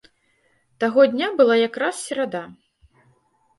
Таго дня была якраз серада.